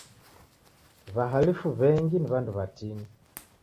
W'ahalifu w'engi ni w'andu w'atini.